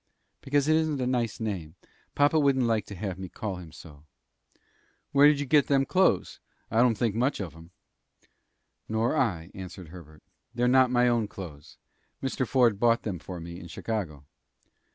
"Because it isn't a nice name. Papa wouldn't like to have me call him so." "Where did you get them clothes? I don't think much of 'em." "Nor I," answered Herbert. "They're not my own clothes. Mr. Ford bought them for me in Chicago."